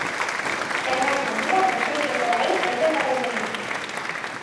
Xamais na vida pensei que por aí podía caber un neno.